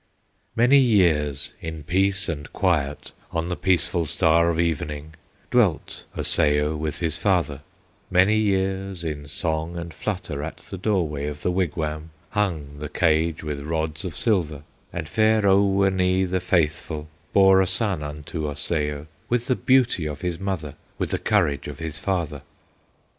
"Many years, in peace and quiet, On the peaceful Star of Evening Dwelt Osseo with his father; Many years, in song and flutter, At the doorway of the wigwam, Hung the cage with rods of silver, And fair Oweenee, the faithful, Bore a son unto Osseo, With the beauty of his mother, With the courage of his father.